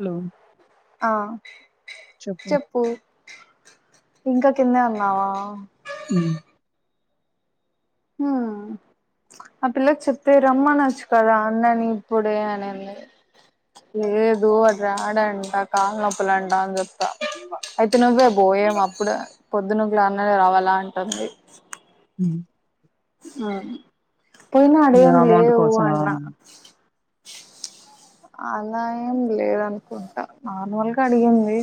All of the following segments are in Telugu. హలో ఆ చెప్పు చెప్పూ ఇంకా కిందే ఉన్నావా ఊ హ ఆ పిల్లలకు చెప్తే రమ్మనచ్చు కదా అన్నని ఇప్పుడే అనింది లేదు తోడు రాడు అంటా కాళ్ళ నొప్పులు అంట అని చెప్పు అయితే నువ్వే పో ఏమ్ అప్పుడు [unintelligible] ఉ ఊ పోయిన యా, ఆడేం అమౌంట్ లేవు కోసమా అన్నా అలా ఏం లేదనుకుంటా నార్మల్గా అడిగింది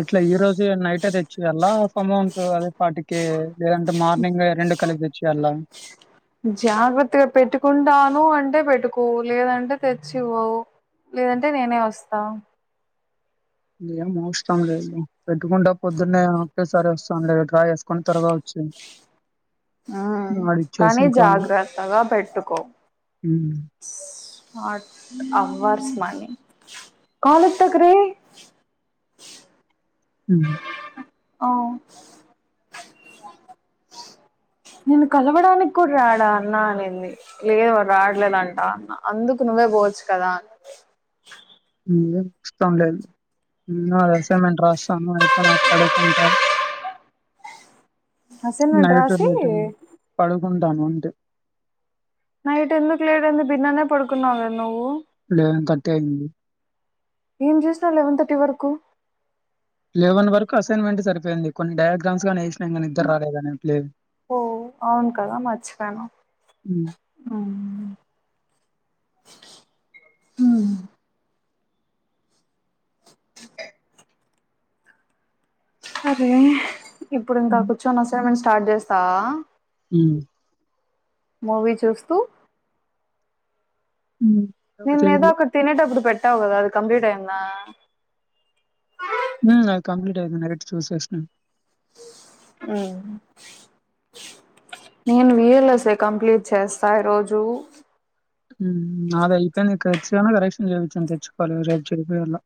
ఎట్లా ఈ రోజే నైటే తెచ్చియల్ల అమౌంట్ అదే ఫార్టీ కే లేదంటే మార్నింగ్ రెండు కలిపి తెచ్చియల్ల జాగ్రత్తగా పెట్టుకుంటాను అంటే పెట్టుకో లేదంటే తెచ్చివ్వు లేదంటే నేనే వస్తా ఏం అవసరం లేదులే పెట్టుకుంటా పొద్దున్నే ఒక్కేసారి వస్తాను లే డ్రా చేసుకొని త్వరగా వచ్చేయ్ ఆ కానీ జాగ్రత్తగా పెట్టుకో ఉమ్ అవర్స్ ఉమ్ మనీ కాలెత్తకురే ఊ ఆ నిన్ను కలవడానికి కూడా రాడా అన్నా అనింది లేదు వాడు రాడులేదంటా అన్నా అందుకు నువ్వే పోవచ్చు కదా హ ఇష్టం లేదు ఏదో అసైన్మెంట్ రాస్తాను అయిప్ నా కొడుకు ఉంటా అసైన్మెంట్ నైటు రాసి లేట్ అయింది పడు ఉంటాను ఉంటే నైట్ ఎందుకు లేట్ అయింది బిన్ననే పడుకున్నావు కదా నువ్వు నేను కట్టే ఆయనను. ఏం చేసినవ్ లెవెన్ థర్టీ వరకు లేవన్ వరకు అసైన్మెంట్ సరిపోయింది కొన్ని డయాగ్రామ్స్ గని వేసినం కానీ నిద్దర రాలేదని ఇ ఓ అవును కదా మర్చిపోయాను హ్మ్ హ్మ్ అరే ఇప్పుడు ఇంకా హ్మ్ కూచొన్న అసైన్మెంస్ స్టార్ట్ చేస్తావా మ్ మూవీ చూస్తూ హ్మ్ ఎవరు దీన్ మీద చేయట్లా ఒకట్ తినేటప్పుడు పెట్ తావు కదా అది కంప్లీట్ అయ్యిందా మ్ కంప్లీట్ అయింది నైట్ చూసేసినాను నేను విఎల్ఎస్ఎ కంప్లీట్ చేస్తా ఈ రోజు హ్మ్ నాది అయిపోయింది కరెక్షన్ కరెక్షన్ చేయించు కొని తెచ్చుకోవాలే [inaudible]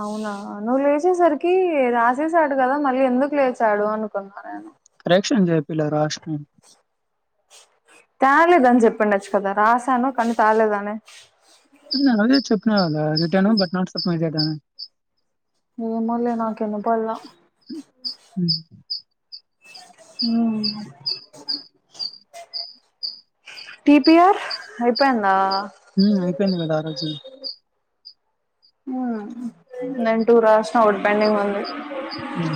అవునా నువ్వు లేసేసరికి రాసేసాడు కదా మళ్ళీ ఎందుకు లేచాడు అనుకున్నా నేను కరెక్షన్ నేన్ చెపియలేదు రశ్నను తాగలేదని చెప్పండి [inaudible] రాసాను కానీ తాగలేదాన్ని అదే చెప్ బట్ నాట్ మై [inaudible] ఏమోలే నాకు ఇనపడ్ల హ్మ్ హ్మ్ [inaudible] టీ పి ఆర్ అయిపోయిందా హ్మ్ అయిపోయింది కదా ఆ రోజు నేను టూ రాసిన ఒకటి పెండింగ్ ఉంది హ్మ్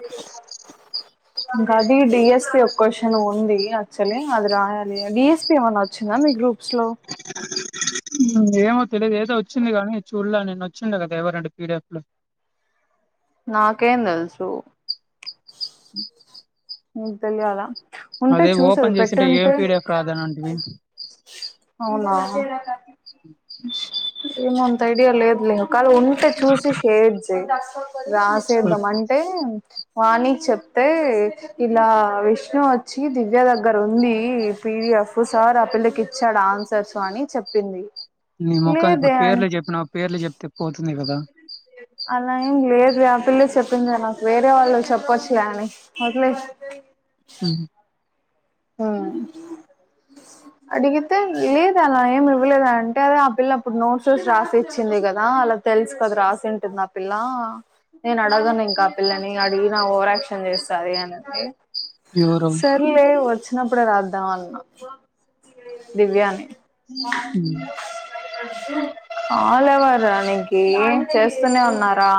[inaudible] ఇంకా అది డిఎస్పి ఒక క్వశ్చన్ ఉంది. యాక్చువల్లీ అది రాయాలి. డిఎస్పి ఏమన్నా వచ్చిందా మీ గ్రూప్ స్లో ఏమో తెలిదు ఏదో వచ్చింది కానీ చూడ్ల నేను వచ్చింది కదా ఎవరండి పీడిఎఫ్ లో నాకేం తెల్సు [inaudible] నిక్ తెలియదా ఉంటే అదే చూసేది ఓపెన్ పెట్టి చేసింటే ఏం ఉంటే పీడిఎఫ్ రా అదానంటివి. అవునా [inaudible] [inaudible] ఏమోఅంత ఐడియా లేదులే కాదు ఉంటే చూసి షేర్ చేయి రాసేద్దాం అంటే వాణీ చెప్తే ఇలా విష్ణు వచ్చి దివ్య దగ్గర ఉంది పిడిఎఫ్ సార్ ఆ పిల్లకి ఇచ్చాడు ఆన్సర్స్ అని చెప్పింది నీ మోఖం లేదే ఇప్పుడు అ పేర్లు చెప్పినా పేర్లు చెప్తే పోతుంది కదా అలా ఏం లేదు ఇ ఆ పిల్ల చెప్పిందే నాకు వేరే వాళ్ళు చెప్పొచ్చులే అని అట్లే హ్మ్ హ్మ్ అడిగితే లేదు అలా ఏమి ఇవ్వలేదు అంటే అదే ఆ పిల్ల అప్పుడు నోట్సస్ రాసి ఇచ్చింది కదా అలా తెలుసు కదా రాసింటుంది ఆ పిల్ల నేను అడగను ఇంకా ఆ పిల్లని అడిగినా ఓవరాక్షన్ చేస్తంది అనింది ఎవరు సర్లే వ వచ్చినప్పుడే రాద్దాం అన్న దివ్యాని ఉమ్ ఆలేవర్ర నీకి చేస్తూనే ఉన్నారా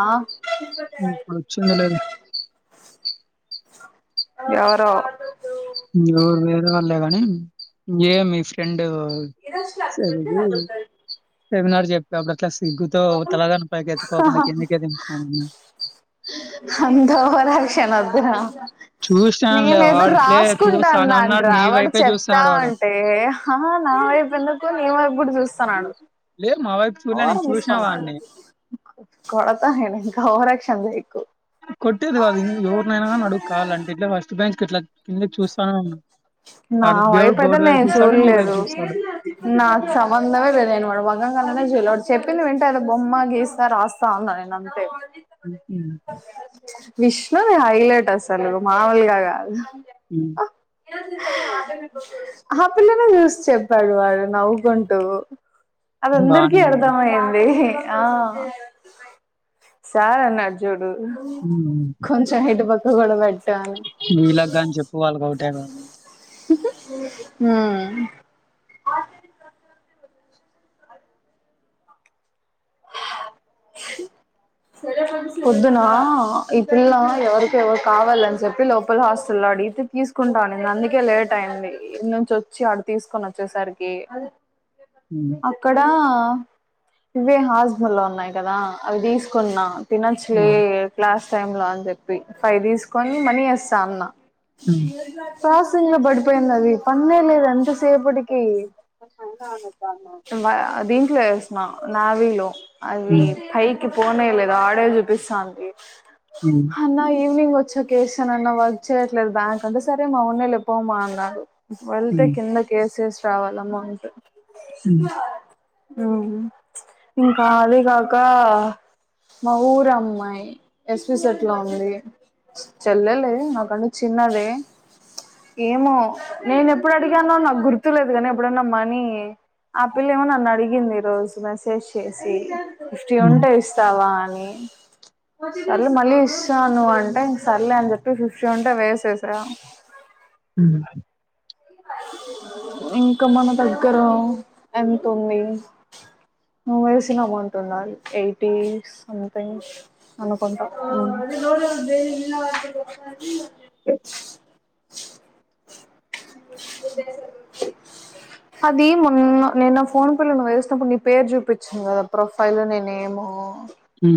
ఇప్పుడు వచ్చింది లెండి ఎవరో ఎవరు లేరు చాల్లే కాని ఏ మీ ఫ్రెండ్ [unintelligible] సరిది సెమినార్ చెప్పితే అప్పుడు క్లాస్ సిగ్గుతో తలగాని పైకి ఎత్తుకోకుండా కిందికే దింపుకోని అంత ఓవర్ యాక్షన్ వద్ వద్దు రా చూసానులే నేను ఏదో వాడు ఇట్లే రాసుకుంటా చూస్తానే అన్నాను ఉన్నాడు రా నీ వాడు వైపే చూస్తున్నాడు వాడు చెప్తావుంటే నా వైపు ఎందు ఇప్పుడు నీ వైపు గూడా చూస్తున్నాడు లే మా వైపు చూడలే నోరు నేను చూసిన మూసుకున్నాడు వాడిని కొడతా నేను ఇం ఓవర్ యాక్షన్ చేయకు కొట్టేది కాదిం ఎవరు నైనా నడుగు కావాలంటే ఇట్లా ఫస్ట్ బెంచ్ ఇట్లా కిందకి చూస్త నా వైపు అయితే నేను చూస్తాడు నీ వైపు చూళ్ళేదు చూస్తాడు నాకు సంబంధమే లేదు నేను వాడి ముఖం కల్లేనే చూడల చెప్పింది వింటే అదో బొమ్మ గీస్తా రాస్తా అన్నా నేను అంతే ఉమ్ ఉమ్ ఇట్లా నే హైలైట్ అసలు మామూలుగా కాదు హ్మ్ ఆ పిల్లని చూసి చెప్పాడు వాడు నవ్వుకుంటూ అది అందరికీ బానేనా అర్థమయ్యింది ఆ సార్ నాజు కొంచెం హెడ్ బ హోగడబైడ్ నువ్వు ఇలాగగాని చెప్పు వాళ్ల గోడ్ హ పొద్దున ఈ పిల్ల ఎవరికి ఎవరు కావాలని చెప్పి లోపల హాస్టల్లో లో అడిగితే తీసుకుంటాను నను అందుకే లేట్ అయింది ఇ నుంచి వచ్చి ఆడ తీసుకొని వచ్చేసరికి హ్మ్ అక్కడ ఇవేనా హాజమ లో ఉన్నాయి కదా అవి తీసుకున్నా తినచ్చలే హ్మ్ ఇగ క్లాస్ టైం లో అని చెప్పి ఫై తీసుకొని మనీ వస్తా అన్న హ్మ్ శివర్ వన్ ప్రాసింగ్ లో పడిపోయింది అది పన్నేలేదు ఎంత సేపటి ది దీంట్లో వసిన నా వీలో అది హ్మ్ పైకి పోన లేదా ఆడే జుపిస్థంధి హ్మ్ అన్న ఇ ఈవినింగ్ వచ్చా కేస ఏనన్నా వర్ చేయట్లేదు బ్యాంక్ అంటే సరే మా ఉన్నాలే పోమా అన్నాడు వెళ్తే హ్మ్ కింద కేసెస్ రావాలమ్మా అంటే శుక్ల ఓహో ఇంకా అదే కాక మా ఊరు అమ్మాయి ఎస్పి సెట్ లో ఉంది చెల్లెలే నాకంటే చిన్నదే ఏమో నేను ఎప్పుడు అడిగానో నాకు గుర్తులేదు కానీ ఎప్పుడైనా మనీ ఆ పిల్ల ఏమో నన్ను అడిగింది ఈరోజు మెసేజ్ చేేసే ఫిఫ్టీ హ్మ్ హ్మ్ ఉంటే ఇస్తావా అని సర్లే మళ్ళీ ఇస్తా అన్నావ్ అంటే సర్లే అని చెప్పి ష్య ఉంటే వేసేసా హ్మ్ ఇంకా మన దగ్గర ఎంత ఉంది నువ్ వేసిన అమౌంట్ ఉండాలి ఎయిటీ సంథింగ్ అనుకుంటా అది మొన్న నేన్న ఫోన్ పిల్ల వేసినప్పుడు నీ పేరు చూపించాను కదా ప్రొఫైల్ నీ నేమ్ హ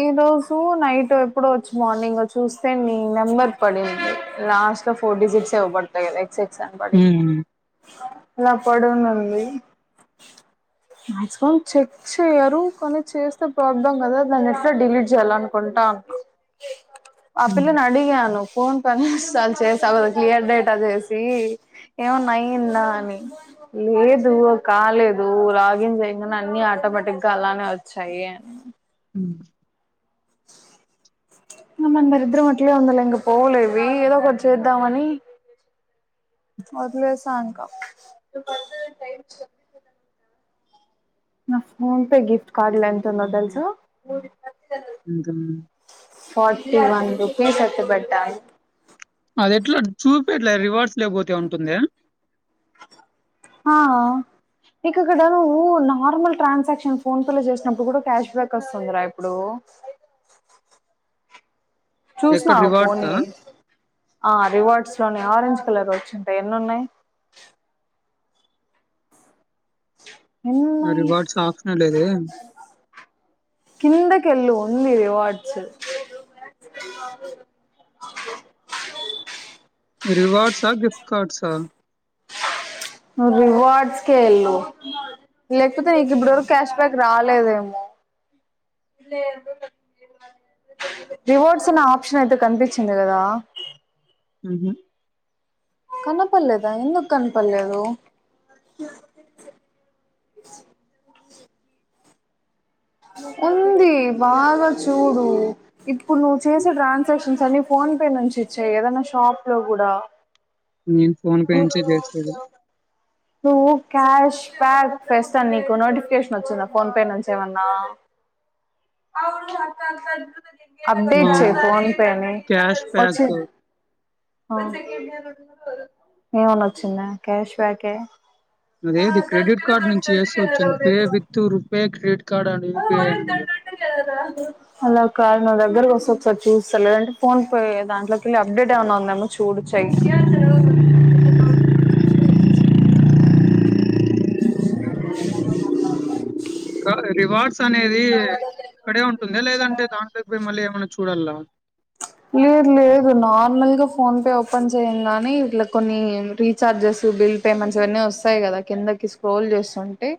ఈ రోజు నైట్ ఎప్పుడో వచ్చి మార్నింగ్ చూస్తే నీ నెంబర్ పడింది లాస్ట్ లో ఫోర్ డిసిట్స్ వ్వబడతాయి కదా ఎసెక్ సన్ బడి హ్మ్ ఇలా పడునడి మాక్సిమం చెక్ చేయరు కానీ చేస్తే ప్రాబ్లం కదా దాన్ని డిలీట్ చేయాల అనుకుంటాను ఆ హ్మ్ పిల్లను అడిగాను ఫోన్ పనిస్తలు చేసా కదా క్లియర్ డేటా చేసి ఏమన్నా అయిందా అని లేదు కాలేదు లాగిన్ చేయ అన్ని ఆటోమేటిక్గా అలానే వచ్చాయి అని అ మన మరిద్ర మట్లో వందలే ఇం పోలేవి ఏదో ఇద్దామని వదిలేశా సాంకా నా ఫోన్ పే గిఫ్ట్ కార్డ్ల ఎంత ఉందో తెలుసా ఇంకా ఫార్టీ వన్ రేపు సట్ట పెట్టను అది ఎట్లా చూపట్లేదు రివర్డ్స్ లోకిపోతే ఉంటుంద ఆ ఇక అక్కడ నువ్వు నార్మల్ ట్రాన్సాక్షన్ ఫోన్ పే లో చేసినప్పుడు కూడా క్యాష్ బ్యాక్ వస్తుందిర ర ఇప్పుడు చూసిన ఎక్కడ రివార్డ్సా? పోనీ ఆ రివార్డ్స్ లోని ఆరెంజ్ కలర్ వచ్చిఉంటుంది ఎన్ని ఉన్నాయి [inaudible] రివార్డ్స్ ఆప్షన్ లేదు కిందకెల్లు ఉంది రివార్డ్స్ క రివార్డ్స్కే ఎళ్లు లేకపోతే నీకిప్పుడు వరకు క్యాష్ బ్యాక్ రాలేదేమో రివార్డ్స్ అన్న ఆప్షన్ అయితే కనిపించింది కదా [inaudible] కనిపీయలేద ఎందుకనపల్లేదు ఉంది బాగా చూడు ఇప్పుడు నువ్వు చేసే ట్రాన్సాక్షన్స్ అన్ని ఫోన్ పే నుంచి చే ఏదనా షాప్ లో కూడా నేను ఫోన్ పే ఏం చే చేసది నువ్వు క్యాష్ బ్యాక్ ఫస్ట్ నీకు నోటిఫికేషన్ వచ్చిందా పోనీ పే నుంచి ఏమన్నా అవును అరికాళ్లు కదుపుతది ఆ! అప్డేట్ చేయి ఫోన్ పే నే క్యాష్ బ్యాక్ నే ఏమన్నా వచ్చిందా క్యాష్ బ్యాక్ అదేది క్రెడిట్ కార్డ్ నుంచి చేస్తే వచ్చింది pay with RuPay credit card and UPI అని ఉంది. ప్చ్ అలా కాదు నా దగ్గరికి వస్తది సార్ చూస్తాలేండీ ఫోన్ పే దాట్లోకిళ్ళి అప్డేట్ ఎమన్నా ఉందేమో చూడు చెయ్ [inaudible] కాదు రివార్డ్స్ అనేది ఇక్కడే ఉంటుందా లేదంటే దాంట్లోకి పోయి మళ్ళీ ఏమన్నా చూడాలా లేదు లేదు నార్మల్గా ఫోన్ పే ఓపెన్ చేయంగనే ఇట్లా కొన్ని రీచార్జెస్ బిల్ పేమెంట్స్ ఇవన్నీ వస్తాయి కదా కిందకి స్క్రోల్ చేస్తుంటే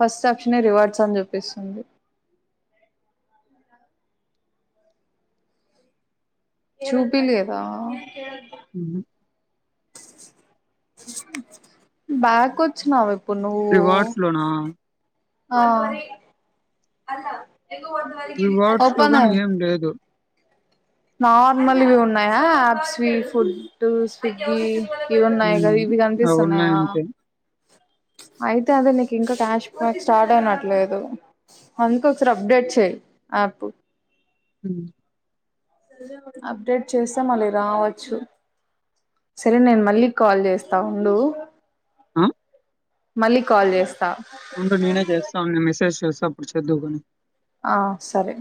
ఫస్ట్ ఆప్షన్ రివార్డ్స్ అని చూపిస్తుంది. చూపి లేదా హుహు. బ్యాక్ వచ్చినవా ఎప్పుడు రివార్డ్స్ లోనా హా అలా రివార్డ్స్ లో కానీ ఏం లేదు. నార్మల్ ఇవి ఉన్నాయా ఆప్స్ ఫుడ్ స్విగ్గీ ఇవిన్నాయి కదా హ్మ్. ఇవి అవునులే కనిపిస్తున్నాయా అంతే. అయితే అదేలే ఇంకా క్యాష్ బ్యాక్ స్టార్ట్ అయినట్లేదు అందుకే ఒకసారి అప్డేట్ చెయ్ అప్ ఉమ్ అప్డేట్ చేస్తే మళ్ళీ రావచ్చు, సరే నేను మళ్ళీ కాల్ చేస్తా ఉండు. ఆ మళ్ళీ కాల్ చేస్ ఉండు నేనే చేస్తా నేను మెసేజ్ చెస్ ప్పుడు చెడువుగని ఆ సరే